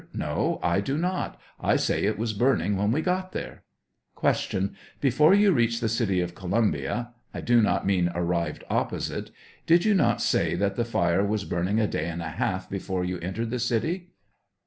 No, I do not; I say it was burning when we got there. Q. Before you reached the city of Columbia — I do not mean arrived opposite — did you not say that the fire was burning a day a«d a half before you entered the city